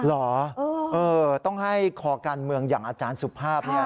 เหรอต้องให้คอการเมืองอย่างอาจารย์สุภาพเนี่ย